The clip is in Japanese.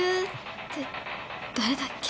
って誰だっけ？